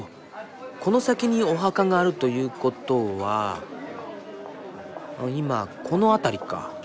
この先にお墓があるということは今この辺りか。